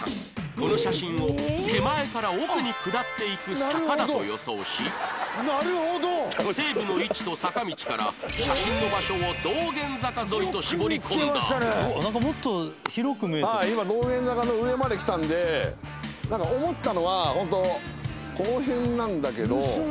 この写真を手前から奥に下っていく坂だと予想し西武の位置と坂道から写真の場所を道玄坂沿いと絞り込んだなんか思ったのはホントこの辺なんだけど。